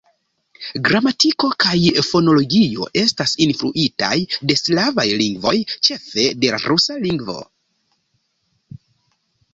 Gramatiko kaj fonologio estas influitaj de slavaj lingvoj, ĉefe de la rusa lingvo.